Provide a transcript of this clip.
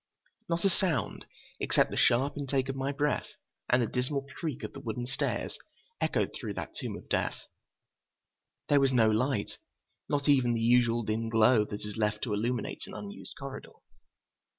Not a sound, except the sharp intake of my breath and the dismal creak of the wooden stairs, echoed through that tomb of death. There was no light, not even the usual dim glow that is left to illuminate an unused corridor.